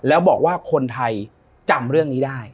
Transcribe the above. แล้วบอกว่าคนไทยจำเรื่องนี้ได้